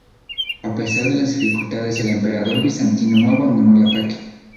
A pesar de las dificultades el emperador bizantino no abandono el ataque.